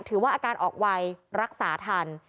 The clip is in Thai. ถือว่าอาการออกไวรักษาทัน